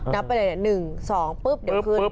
นับไปเลยนะ๑๒เดี๋ยวขึ้น